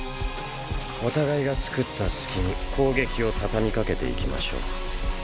お互いが作った隙に攻撃を畳みかけていきましょう。